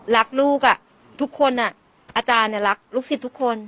รักลูกอ่ะทุกคนอ่ะอาจารย์เนี้ยรักลูกศิษย์ทุกคน